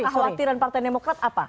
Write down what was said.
kekhawatiran partai demokrat apa